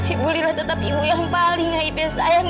ibu lila tetap ibu yang paling aida sayang